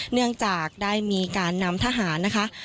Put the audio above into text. เนื่องจากได้มีการนำทหารนะคะ